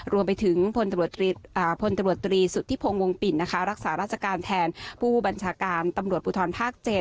รวมไปถึงพลตำรวจตรีสุธิพงศ์วงปิ่นนะคะรักษาราชการแทนผู้บัญชาการตำรวจภูทรภาค๗